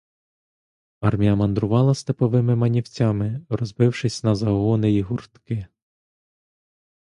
Армія мандрувала степовими манівцями, розбившись на загони й гуртки.